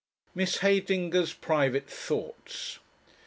MISS HEYDINGER'S PRIVATE THOUGHTS.